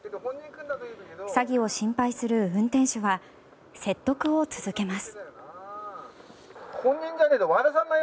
詐欺を心配する運転手は説得を続けます。